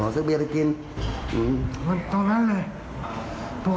สวัสดีครับ